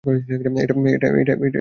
এটাই হলো ঘটনা।